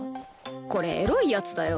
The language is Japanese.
これエロいやつだよ。